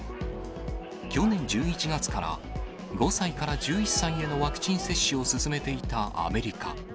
去年１１月から、５歳から１１歳へのワクチン接種を進めていたアメリカ。